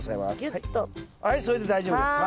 はいそれで大丈夫です。